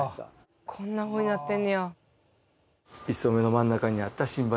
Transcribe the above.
こんなふうになってんねや。